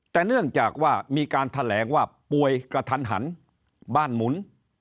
แต่เนื่องจากว่ามีการแถลงว่าป่วยกระทันหันบ้านหมุน